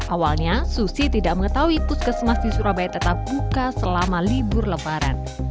awalnya susi tidak mengetahui puskesmas di surabaya tetap buka selama libur lebaran